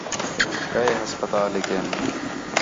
کئے ہسپتالیک ہِن